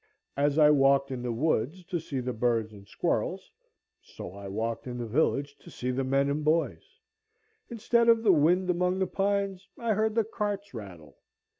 As I walked in the woods to see the birds and squirrels, so I walked in the village to see the men and boys; instead of the wind among the pines I heard the carts rattle.